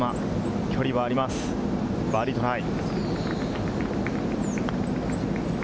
距離はあります、バーディートライ。